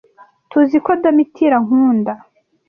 Tuziko Domitira ankunda.